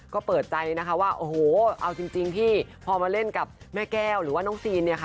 ก็เปิดใจนะคะว่าโอ้โหเอาจริงพี่พอมาเล่นกับแม่แก้วหรือว่าน้องซีนเนี่ยค่ะ